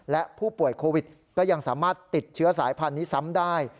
และผู้ป่วยโควิดก็ยังสามารถติดเชื้อสายพันธุ์นี้ซ้ำได้